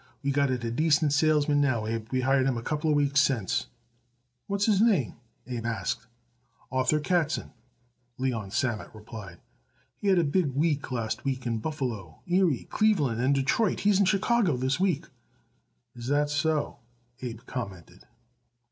We got it a decent salesman now, Abe. We hired him a couple of weeks since." "What's his name?" Abe asked. "Arthur Katzen," Leon Sammet replied. "He had a big week last week in Buffalo, Erie, Cleveland and Detroit. He's in Chicago this week." "Is that so?" Abe commented.